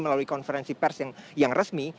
melalui konferensi pers yang resmi